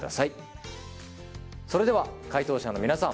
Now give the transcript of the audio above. それでは解答者の皆さん